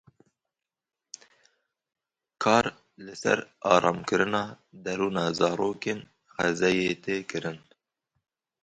Kar li ser aramkirina derûna zarokên Xezeyê tê kirin.